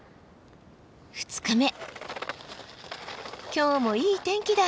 今日もいい天気だ。